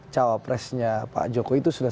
cawapresnya pak jokowi itu sudah